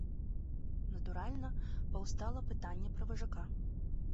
Натуральна, паўстала пытанне пра важака.